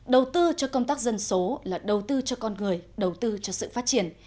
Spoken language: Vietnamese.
đầu tư cho công tác dân số là đầu tư cho con người đầu tư cho sự phát triển